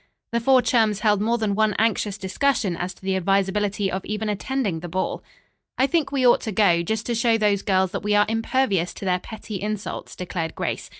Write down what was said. The four chums held more than one anxious discussion as to the advisability of even attending the ball. "I think we ought to go, just to show those girls that we are impervious to their petty insults," declared Grace.